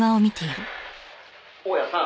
「大屋さん」